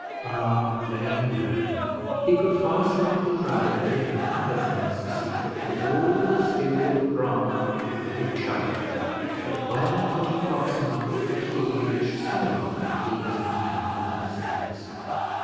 Ah! vain man! he could fasten up his Rabelais, and other things secret, with all the skill of Bramah or of Chubb; but where could he fasten up the key which solved these mechanical mysteries?